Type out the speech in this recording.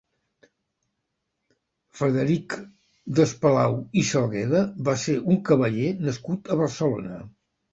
Frederic Despalau i Salgueda va ser un cavaller nascut a Barcelona.